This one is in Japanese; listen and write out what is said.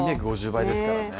３５０倍ですからね。